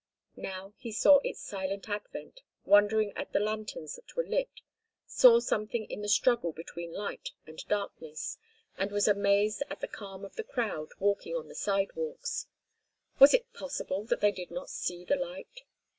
Now he saw its silent advent, wondered at the lanterns that were lit, saw something in the struggle between light and darkness, and was amazed at the calm of the crowd walking on the sidewalks. Was it possible that they did not see the light?